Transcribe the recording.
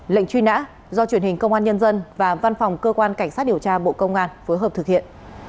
lệnh truy nã do truyền hình công an nhân dân và văn phòng cơ quan cảnh sát điều tra bộ công an phối hợp thực hiện